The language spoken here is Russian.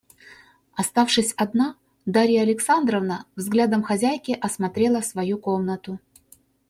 Оставшись одна, Дарья Александровна взглядом хозяйки осмотрела свою комнату.